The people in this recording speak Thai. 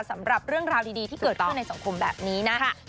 สำหรับเรื่องราวดีที่เกิดขึ้นในสังคมแบบนี้นะ